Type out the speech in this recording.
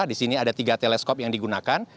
di sini ada tiga teleskop yang digunakan